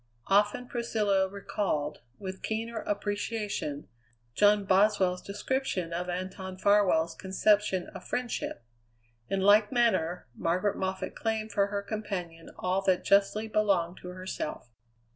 Often Priscilla recalled, with keener appreciation, John Boswell's description of Anton Farwell's conception of friendship. In like manner Margaret Moffatt claimed for her companion all that justly belonged to herself.